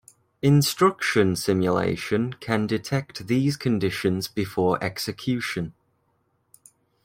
Instruction simulation can detect these conditions before execution.